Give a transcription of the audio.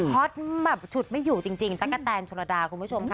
ฮอตฉุดไม่อยู่จริงแต่กตำจนดาคุณผู้ชมค่ะ